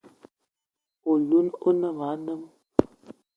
Oloun o ne ma anem.